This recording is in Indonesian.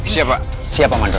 siapa pak mandor